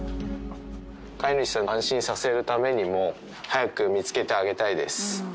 飼い主さんを安心させるためにも、早く見つけてあげたいです。